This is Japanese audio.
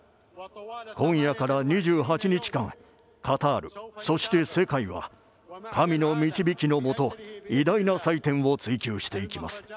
今夜から２８日間カタール、そして世界は神の導きのもと偉大な祭典を追求していきます。